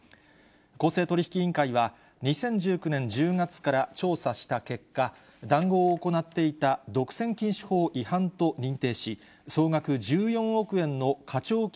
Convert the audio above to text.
公正取引委員会は、２０１９年１０月から調査した結果、談合を行っていた独占禁止法違反と認定し、総額１４億円の課徴金